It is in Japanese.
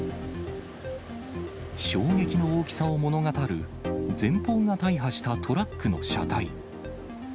衝撃の大きさを物語る前方が大破したトラックの車体。